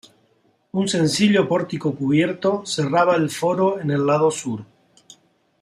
Un sencillo pórtico cubierto cerraba el foro en el lado sur.